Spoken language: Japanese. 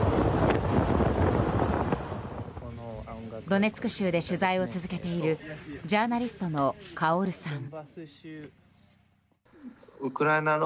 ドネツク州で取材を続けているジャーナリストのカオルさん。